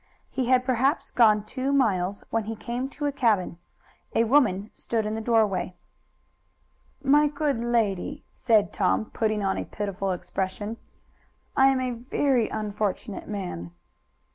He had perhaps gone two miles when he came to a cabin. A woman stood in the doorway. "My good lady," said Tom, putting on a pitiful expression, "I am a very unfortunate man."